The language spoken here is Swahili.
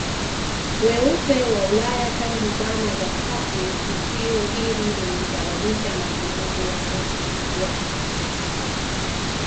weupe wa Ulaya tangu zama za katiTukio hili lilisababisha mapinduzi ya Urusi ya